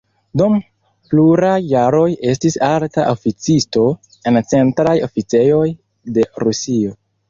Dm pluraj jaroj estis alta oficisto en centraj oficejoj de Rusio.